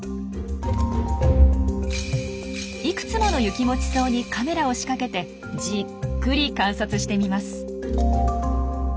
いくつものユキモチソウにカメラを仕掛けてじっくり観察してみます。